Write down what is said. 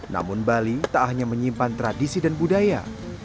namun bali tak hanya menyimpan tradisi dan budaya